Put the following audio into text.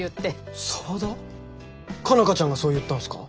佳奈花ちゃんがそう言ったんすか？